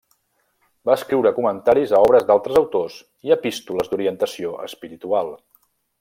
Va escriure comentaris a obres d'altres autors i epístoles d'orientació espiritual.